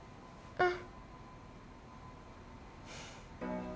うん。